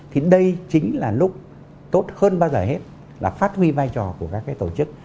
thì đây chính là lúc tốt hơn bao giờ hết là phát huy vai trò của các cái tổ chức